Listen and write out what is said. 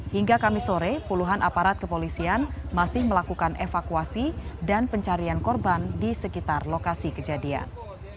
hingga kamis sore puluhan aparat kepolisian masih melakukan evakuasi dan pencarian korban di sekitar lokasi kejadian